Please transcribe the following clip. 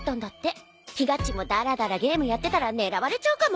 ひがっちもダラダラゲームやってたら狙われちゃうかも。